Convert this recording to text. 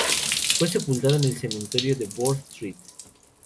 Fue sepultado en el cementerio de Broad Street.